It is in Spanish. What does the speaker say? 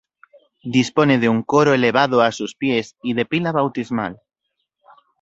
Dispone de un coro elevado a sus pies y de pila bautismal.